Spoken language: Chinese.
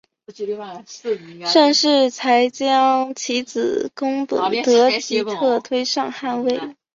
盛世才还将其子恭本德吉特推上汗位。